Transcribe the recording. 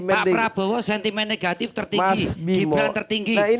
pak prabowo sentimen negatif tertinggi